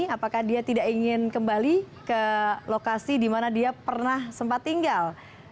apakah dia tidak ingin kembali ke lokasi di mana dia pernah sempat tinggal